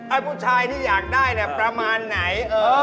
ไอ้ผู้ชายที่อยากได้ประมาณไหน